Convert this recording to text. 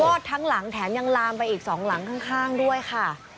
อดทั้งหลังแถมยังลามไปอีก๒หลังข้างด้วยค่ะ